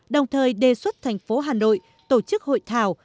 đồng thời đề xuất thành phố hà nội tổ chức hội thảo